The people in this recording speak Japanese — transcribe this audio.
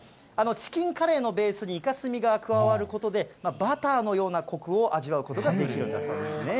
チキンカレーのベースにイカスミが加わることで、バターのようなこくを味わうことができるんだそうですね。